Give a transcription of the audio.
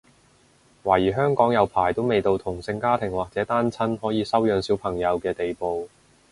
懷疑香港有排都未到同性家庭或者單親可以收養小朋友嘅地步